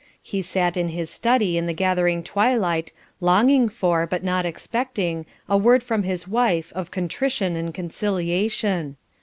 He sat in his study in the gathering twilight longing for, but not expecting, a word from his wife of contrition and conciliation.